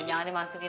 jangan dimasukin hati